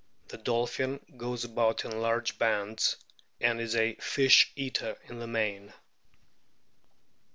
The dolphin goes about in large bands, and is a fish eater in the main.